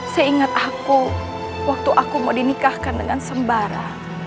saya ingat aku waktu aku mau dinikahkan dengan sembara